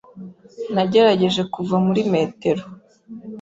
Nagerageje kuva muri metero.